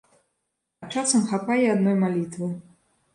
А часам хапае адной малітвы.